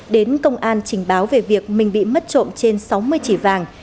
đến công an trình báo về việc mình bị mất trộm trên sáu mươi chỉ vàng